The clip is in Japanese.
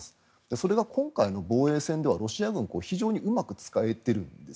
それは今回の防衛線ではロシア軍が非常にうまく使えているんです。